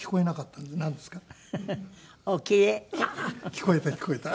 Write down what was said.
ああー聞こえた聞こえた。